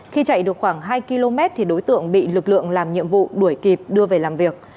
khi chạy được khoảng hai km thì đối tượng bị lực lượng làm nhiệm vụ đuổi kịp đưa về làm việc